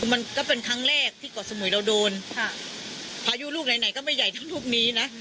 มันก็เป็นครั้งแรกที่เกาะสมุยเราโดนค่ะพายุลูกไหนไหนก็ไม่ใหญ่เท่าลูกนี้นะ